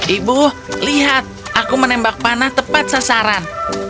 ibu lihat aku menembak panah tepat sasaran